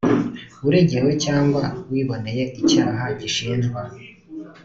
uregewe cyangwa wiboneye icyaha gishinjwa